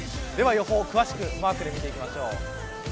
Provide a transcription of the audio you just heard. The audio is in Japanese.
予報を詳しくマークで見ていきましょう。